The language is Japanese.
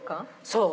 そう。